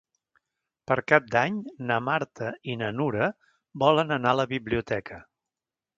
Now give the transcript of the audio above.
Per Cap d'Any na Marta i na Nura volen anar a la biblioteca.